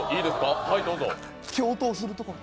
共闘するところ。